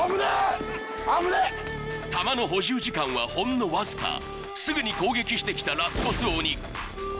弾の補充時間はほんのわずかすぐに攻撃してきたラスボス鬼